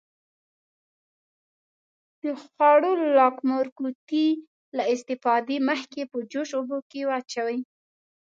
د خوړو لاکمُر قوطي له استفادې مخکې په جوش اوبو کې واچوئ.